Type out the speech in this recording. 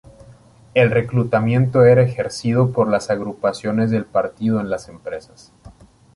El reclutamiento era ejercido por las agrupaciones del Partido en las empresas.